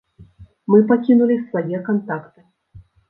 Мы пакінулі свае кантакты.